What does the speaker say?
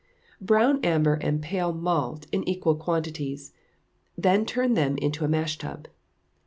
Brown amber and pale malt, in equal quantities; turn them into the mash tub.